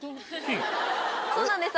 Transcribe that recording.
そうなんです